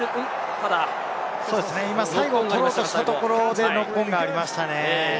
今、最後取ろうとしたところでノックオンがありましたね。